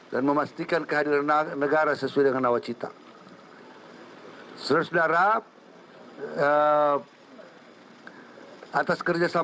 dan memastikan kehadiran negara sesuai dengan awal cita